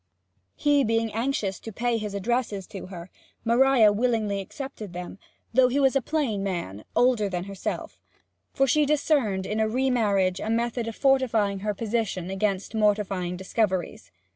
He being anxious to pay his addresses to her, Maria willingly accepted them, though he was a plain man, older than herself; for she discerned in a re marriage a method of fortifying her position against mortifying discoveries.